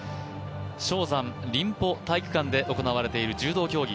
蕭山臨浦体育館で行われている柔道競技。